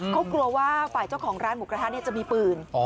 เขากลัวว่าฝ่ายเจ้าของร้านหมูกระทะจะมีปืน